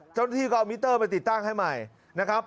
เจ้าหน้าที่ก็เอามิเตอร์ไปติดตั้งให้ใหม่นะครับ